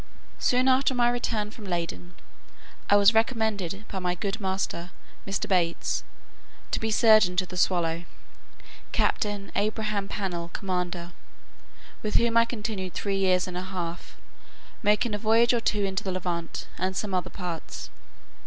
Soon after my return from Leyden, I was recommended by my good master, Mr. Bates, to be surgeon to the Swallow, Captain Abraham Pannel, commander; with whom I continued three years and a half, making a voyage or two into the Levant, and some other parts.